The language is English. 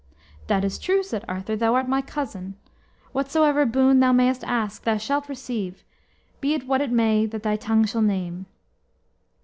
"That is true," said Arthur; "thou art my cousin. Whatsoever boon thou mayest ask, thou shalt receive, be it what it may that thy tongue shall name."